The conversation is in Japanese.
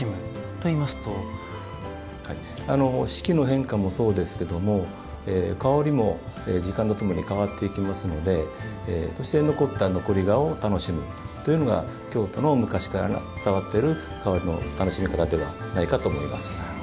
四季の変化もそうですけれども香りも時間とともに変わっていきますので自然に残った残り香を楽しむというのが京都の昔から伝わっている香りの楽しみ方ではないかと思います。